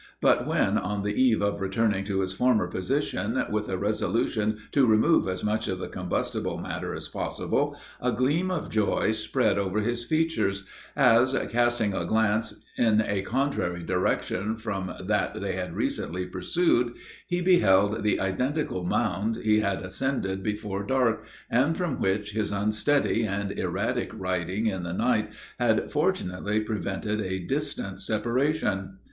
But when on the eve of returning to his former position, with a resolution to remove as much of the combustible matter as possible, a gleam of joy spread over his features, as, casting a glance in a contrary direction from that they had recently pursued, he beheld the identical mound he had ascended before dark, and from which his unsteady and erratic riding in the night had fortunately prevented a distant separation.